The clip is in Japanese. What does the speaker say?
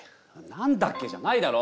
「何だっけ？」じゃないだろう。